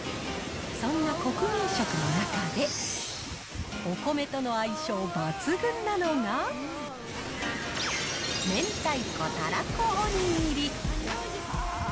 そんな国民食の中で、お米との相性抜群なのが、明太子・たらこおにぎり。